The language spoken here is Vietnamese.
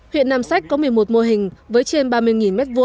huyện nam sách có một mươi một mô hình với trên ba mươi m hai